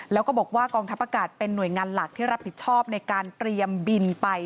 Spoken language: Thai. แล้วก็บอกว่ากองทัพอากาศเป็นหน่วยงานหลักที่รับผิดชอบในการเตรียมบินไป